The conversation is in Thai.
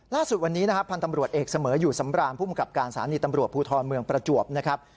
ล่าสุดวันนี้นะครับพันธ์ตำรวจเอกเสมออยู่สำราญผู้มกับการสถานีตำรวจภูทรเมืองประจวบนะครับ